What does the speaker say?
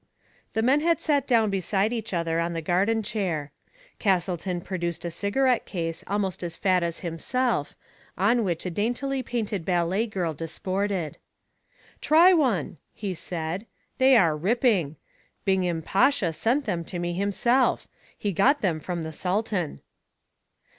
The men had sat down beside each other on the garden chair. Castleton produced a cigarette •case almost as fat as himself, on which a daintily painted ballet girl disported. Try one !" he said ;" they are ripping. Bingham Pasha sent them to me himself. He got them from the Sultan."